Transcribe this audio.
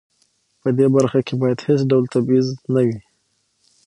په دې برخه کې باید هیڅ ډول تبعیض نه وي.